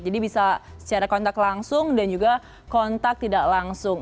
jadi bisa secara kontak langsung dan juga kontak tidak langsung